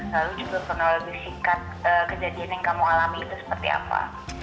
lalu juga kronologi singkat kejadian yang kamu alami itu seperti apa